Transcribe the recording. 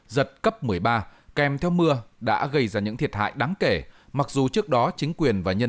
giật cấp một mươi ba kèm theo mưa đã gây ra những thiệt hại đáng kể mặc dù trước đó chính quyền và nhân